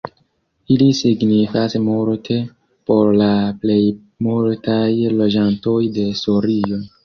Ili signifas multe por la plejmultaj loĝantoj de Sorio.